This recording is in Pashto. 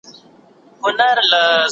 ده د بېځايه مصرف مخه ونيوله.